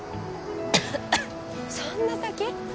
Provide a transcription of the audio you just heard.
そんな先！？